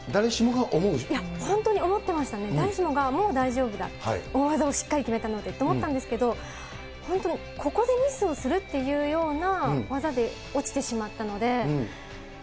本当に思ってましたね、誰しもがもう大丈夫だ、大技をしっかり決めたのでって思ったんですけど、本当にここでミスをするっていうような技で落ちてしまったので。